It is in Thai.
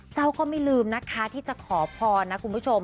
ก็ไม่ลืมนะคะที่จะขอพรนะคุณผู้ชม